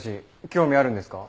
興味あるんですか？